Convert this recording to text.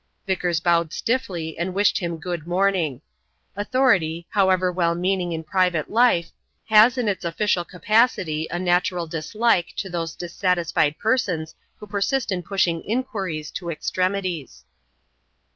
Vickers bowed stiffly and wished him good morning. Authority, however well meaning in private life, has in its official capacity a natural dislike to those dissatisfied persons who persist in pushing inquiries to extremities.